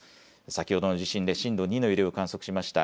先ほどの地震で震度２の揺れを観測しました